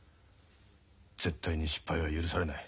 絶対に失敗は許されない。